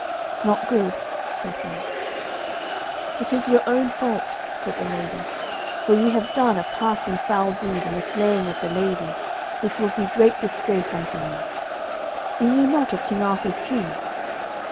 "Not good," said he. "It is your own fault," said the lady, "for ye have done a passing foul deed in the slaying of the lady, which will be great disgrace unto you. Be ye not of King Arthur's kin?"